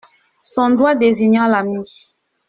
Son doigt désigna l'ami.